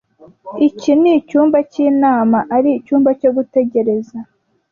Iki nicyumba cyinama, ari icyumba cyo gutegereza.